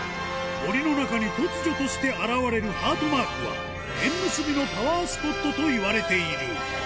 森の中に突如として現れるハートマークは、縁結びのパワースポットといわれている。